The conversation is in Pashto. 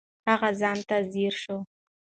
هغه ځان ته ځیر شو.